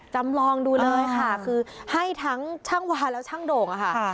จำลองดูเลยค่ะคือให้ทั้งช่างวาแล้วช่างโด่งอะค่ะ